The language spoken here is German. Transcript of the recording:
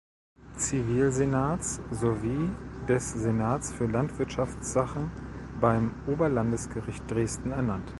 Zivilsenats sowie des Senats für Landwirtschaftssachen am Oberlandesgericht Dresden ernannt.